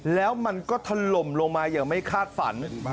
แล้วมันก็ถล่มลงมาอย่างไม่คาดฝัน